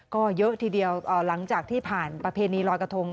ก็เยอะทีเดียวหลังจากที่ผ่านประเพณีลอยกระทง